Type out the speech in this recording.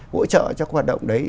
hỗ trợ cho các hoạt động đấy